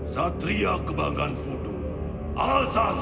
satria kebanggan fudu al sasya